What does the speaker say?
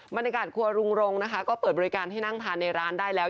บรรยากาศครัวรุงรงนะคะก็เปิดบริการให้นั่งทานในร้านได้แล้ว